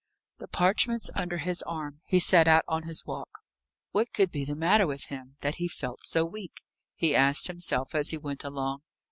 The parchments under his arm, he set out on his walk. What could be the matter with him, that he felt so weak, he asked himself as he went along.